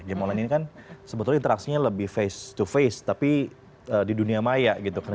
game online ini kan sebetulnya interaksinya lebih face to face tapi di dunia maya gitu kan